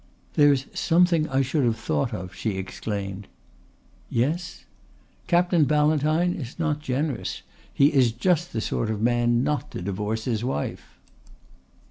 "There's something I should have thought of," she exclaimed. "Yes?" "Captain Ballantyne is not generous. He is just the sort of man not to divorce his wife."